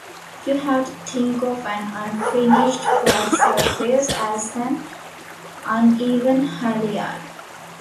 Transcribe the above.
You have to think of an unfinished flat surface as an uneven hilly yard.